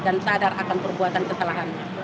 dan sadar akan perbuatan kesalahannya